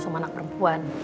sama anak perempuan